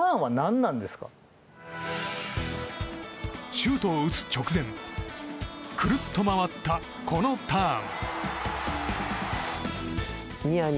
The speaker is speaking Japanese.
シュートを打つ直前くるっと回った、このターン。